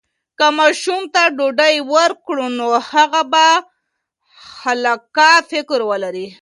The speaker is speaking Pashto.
که ماشوم ته ډاډ ورکړو، نو هغه به خلاقه فکر ولري.